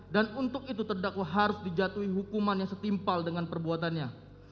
dan untuk itu terdakwa harus dijatuhi hukuman yang setimpal dengan perbuatannya